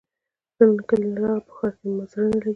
زۀ نن کلي نه راغلم په ښار کې مې زړه نه لګي